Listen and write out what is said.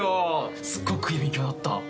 すっごくいい勉強になった。